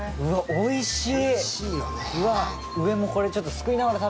おいしい！